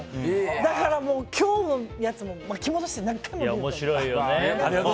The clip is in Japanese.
だからもう、今日のやつも巻き戻して何回も見ると思う。